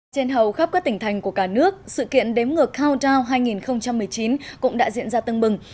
trên hầu khắp các tỉnh thành của cả nước sự kiện đếm ngược countdown hai nghìn một mươi chín cũng đã diễn ra tương bừng